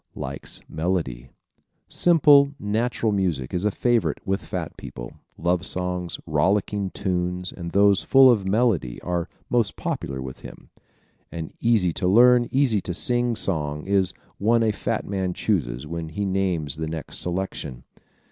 Likes Melody ¶ Simple, natural music is a favorite with fat people. Love songs, rollicking tunes and those full of melody are most popular with them. An easy to learn, easy to sing song is the one a fat man chooses when he names the next selection.